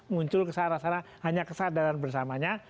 muncul kesara sara hanya kesadaran bersamanya